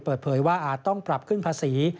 เปิดเผยว่าอาจต้องปรับขึ้นภาษี